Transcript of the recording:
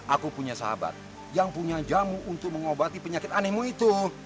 aku punya sahabat yang punya jamu untuk mengobati penyakit anehmu itu